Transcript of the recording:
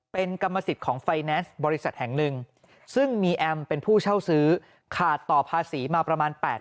เป็นกรรมสิทธิ์ของไฟแนนซ์บริษัทแห่งหนึ่ง